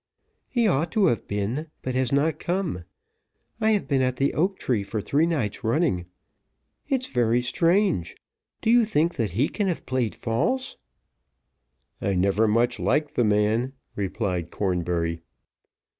"He ought to have been, but has not come; I have been at the oak tree for three nights running. It's very strange. Do you think that he can have played false?" "I never much liked the man," replied Cornbury.